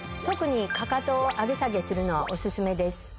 特にかかとを上げ下げするのはお薦めです。